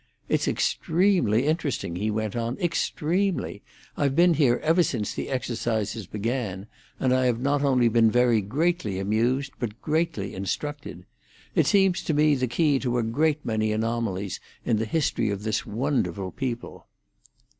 "It's extremely interesting," he went on, "extremely! I've been here ever since the exercises began, and I have not only been very greatly amused, but greatly instructed. It seems to me the key to a great many anomalies in the history of this wonderful people."